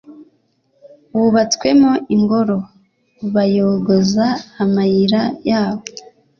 wubatswemo ingoro, bayogoza amayira yawo